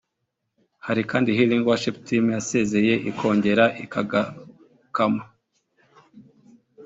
Hari kandi Healing worship team yasezeye ikongera ikagarukamo